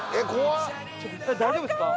大丈夫ですか？